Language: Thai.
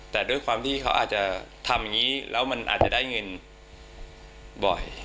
แต่ด้วยความที่เขาอาจจะทำอย่างนี้แล้วมันอาจจะได้เงินบ่อย